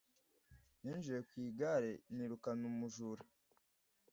Ninjiye ku igare nirukana umujura.